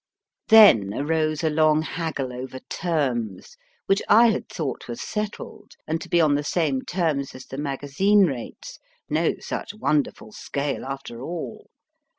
Then arose a long haggle over terms, which I had thought were settled, and to be on the same terms as the magazine rates no such wonderful scale after all.